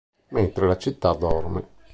Mentre la città dorme